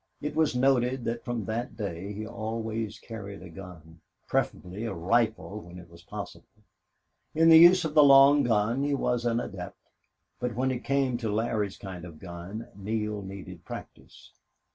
It was noted that from that day he always carried a gun, preferably a rifle when it was possible. In the use of the long gun he was an adept, but when it came to Larry's kind of a gun Neale needed practice.